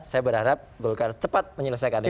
saya berharap golkar cepat menyelesaikan ini